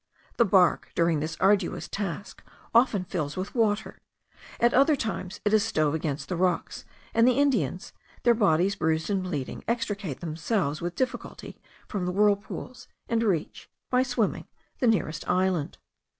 The bark, during this arduous task, often fills with water; at other times it is stove against the rocks, and the Indians, their bodies bruised and bleeding, extricate themselves with difficulty from the whirlpools, and reach, by swimming, the nearest island.